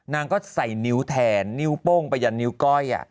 นางก็ใส่นิ้วแทนนิ้วโป้งไปยันนิ้วก้อย